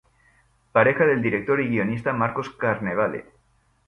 Pareja del director y guionista Marcos Carnevale.